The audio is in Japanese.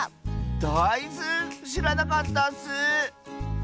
だいず⁉しらなかったッス！